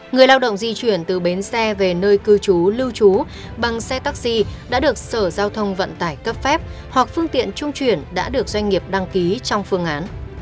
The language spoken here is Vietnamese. người lao động di chuyển từ bến xe về nơi cư trú lưu trú bằng xe taxi đã được sở giao thông vận tải cấp phép hoặc phương tiện trung chuyển đã được doanh nghiệp đăng ký trong phương án